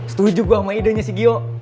setuju juga sama idenya si gio